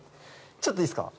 ちょっといいっすか？